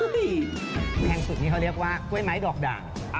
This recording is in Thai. แพงสุดนี่เขาเรียกว่ากล้วยไม้ดอกด่าง